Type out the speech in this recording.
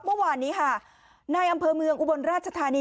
เมื่อวานนี้ค่ะในอำเภอเมืองอุบลราชธานี